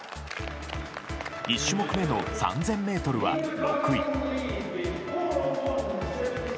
１種目目の３０００メートルは６位。